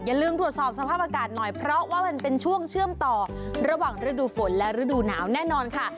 ลืมตรวจสอบสภาพอากาศหน่อยเพราะว่ามันเป็นช่วงเชื่อมต่อระหว่างฤดูฝนและฤดูหนาวแน่นอนค่ะ